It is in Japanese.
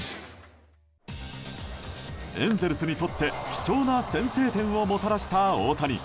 エンゼルスにとって貴重な先制点をもたらした大谷。